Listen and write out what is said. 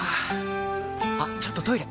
あっちょっとトイレ！